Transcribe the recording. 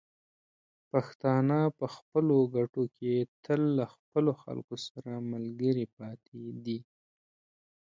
پښتانه په خپلو ګټو کې تل له خپلو خلکو سره ملګري پاتې دي.